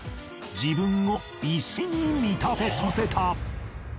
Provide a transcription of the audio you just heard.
自分を石に見立てさせた！